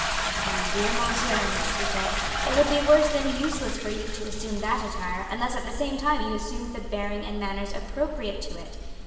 "My dear Monsieur Ernest," he said, "it would be worse than useless for you to assume that attire unless at the same time you assumed the bearing and manners appropriate to it.